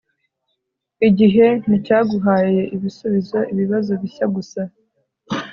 igihe nticyaguhaye ibisubizo, ibibazo bishya gusa